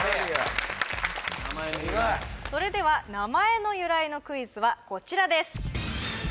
・名前の由来それでは名前の由来のクイズはこちらです